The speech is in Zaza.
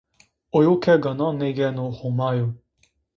Oyo ke ganan nêgêno Homa yo.